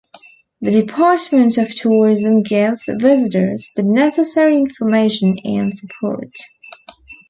The Department of Tourism gives visitors the necessary information and support.